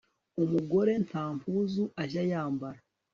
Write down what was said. umugore nta mpuzu ajya yambara